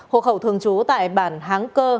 hộ khẩu thường trú tại bản háng cơ